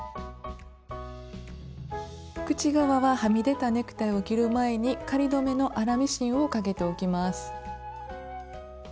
口側ははみ出たネクタイを切る前に仮留めの粗ミシンをかけておきます。